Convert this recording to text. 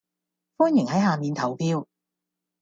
歡迎喺下面投票